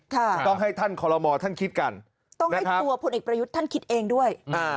ต้องให้ท่านคอลโมท่านคิดกันต้องให้ตัวผลเอกประยุทธ์ท่านคิดเองด้วยอ่า